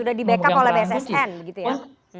sudah di backup oleh bssn gitu ya